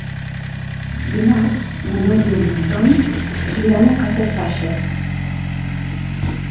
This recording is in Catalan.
Dimarts na Núria i en Tom iran a Cases Baixes.